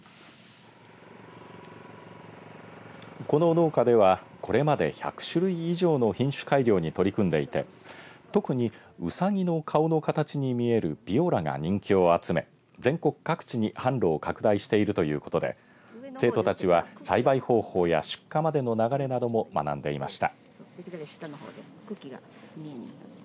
この農家ではこれまで１００種類以上の品種改良に取り組んでいて特に、ウサギの顔の形に見えるビオラが人気を集め全国各地に販路を拡大しているということで生徒たちは栽培方法や出荷までの流れなども学んでいました。